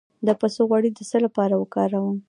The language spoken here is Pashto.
د پسته غوړي د څه لپاره وکاروم؟